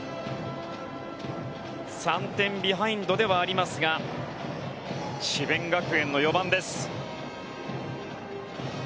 ３点ビハインドではありますが、智弁学園の４番です。